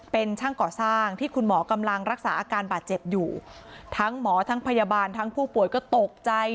เป็นช่างก่อสร้างที่คุณหมอกำลังรักษาอาการบาดเจ็บอยู่ทั้งหมอทั้งพยาบาลทั้งผู้ป่วยก็ตกใจ